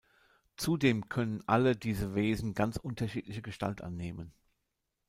Zudem können alle diese Wesen ganz unterschiedliche Gestalt annehmen.